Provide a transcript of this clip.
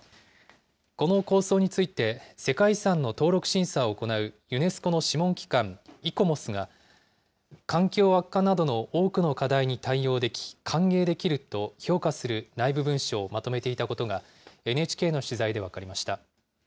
この構想について世界遺産の登録審査を行うユネスコの諮問機関イコモスが、環境悪化などの多くの課題に対応でき、歓迎できると評価する内部文書をまとめていたことが、ＮＨＫの取材で分かりました。